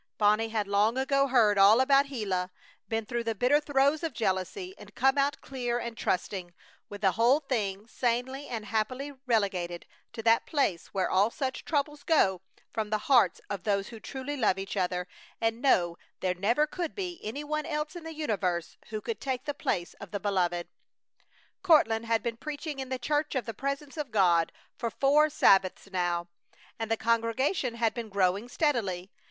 Bonnie had long ago heard all about Gila, been through the bitter throes of jealousy, and come out clear and trusting, with the whole thing sanely and happily relegated to that place where all such troubles go from the hearts of those who truly love each other and know there never could be any one else in the universe who could take the place of the beloved. Courtland had been preaching in the Church of the Presence of God for four Sabbaths now, and the congregation had been growing steadily.